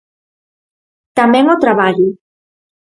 Tamén o traballo.